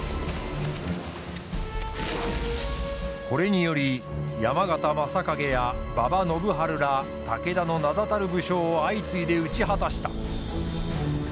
これにより山県昌景や馬場信春ら武田の名だたる武将を相次いで討ち果たした。